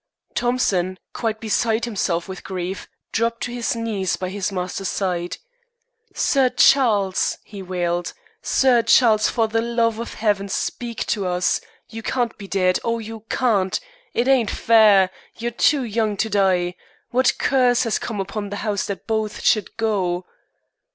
Thompson, quite beside himself with grief, dropped to his knees by his master's side. "Sir Charles!" he wailed. "Sir Charles! For the love of Heaven, speak to us. You can't be dead. Oh, you can't. It ain't fair. You're too young to die. What curse has come upon the house that both should go?"